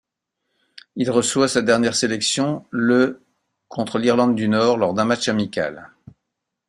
Il reçoit sa dernière sélection le contre l'Irlande du Nord, lors d'un match amical.